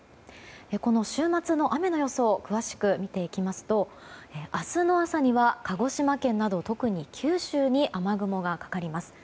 この週末の雨の予想を詳しく見ていきますと明日の朝には鹿児島県など特に九州に雨雲がかかります。